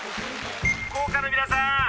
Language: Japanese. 福岡の皆さん